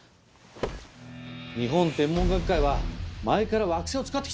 日本天文学会は前から「惑星」を使ってきたんだ。